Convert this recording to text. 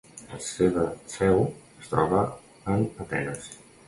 La seva seu es troba en Atenes.